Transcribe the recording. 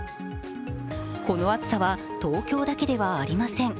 この暑さは東京だけではありません。